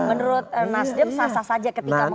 menurut nasdem sasah saja ketika mengusulkan